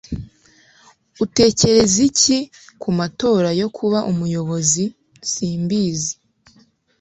utekereza iki ku matora yo kuba umuyobozi? simbizi